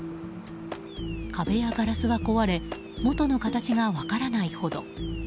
壁やガラスは壊れ元の形が分からないほど。